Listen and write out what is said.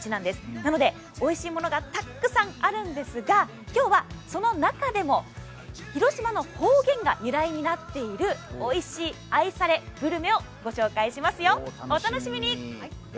なので、おいしいものがたくさんあるんですが、今日は、その中でも広島の方言が由来になっているおいしい、愛されグルメをご紹介しますよ。